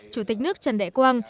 chủ tịch nước trần đại quang